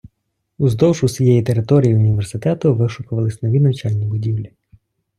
Уздовж усієї території університету вишикувались нові навчальні будівлі.